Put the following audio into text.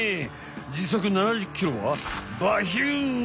時速７０キロはバヒュン！